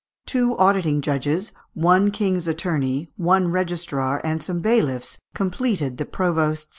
Two auditing judges, one king's attorney, one registrar, and some bailiffs, completed the provost's staff.